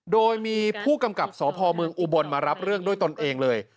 โดยมีผู้กำกับสพเมืองอุบลมารับเรื่องด้วยตนเองเลย